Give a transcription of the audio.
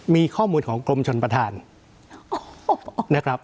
มีข้อมูลของกรมชนประธานนะครับ